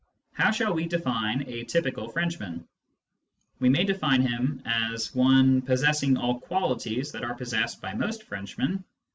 How shall we define a " typical " Frenchman ? We may define him as one " possessing all qualities that are possessed by most French men."